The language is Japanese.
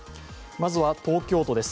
まずは東京都です。